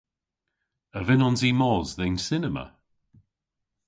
A vynnons i mos dhe'n cinema?